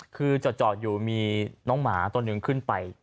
คือจอดอยู่มีน้องหมาตัวหนึ่งขึ้นไป